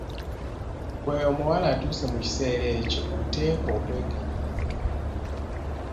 Ggwe omuwala atuuse mu kiseera ekyo oteekwa okwegendereza ennyo.